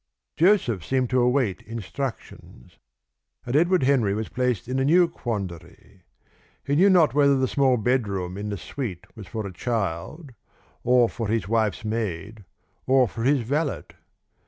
Joseph seemed to await instructions. And Edward Henry was placed in a new quandary. He knew not whether the small bedroom in the suite was for a child, or for his wife's maid, or for his valet.